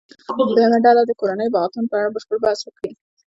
دویمه ډله دې د کورنیو بغاوتونو په اړه بشپړ بحث وکړي.